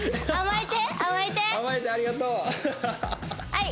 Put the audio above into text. はい！